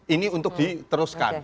ini untuk diteruskan